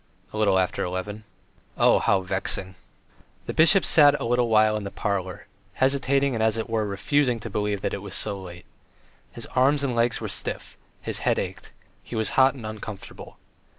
"A little after eleven." "Oh, how vexing!" The bishop sat for a little while in the parlour, hesitating, and as it were refusing to believe it was so late. His arms and legs were stiff, his head ached. He was hot and uncomfortable.